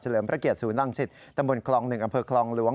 เฉลิมพระเกียรติศูนย์ลังสิทธิ์ตมคล๑อำเภอคลองหลวง